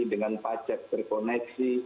dengan pacat terkoneksi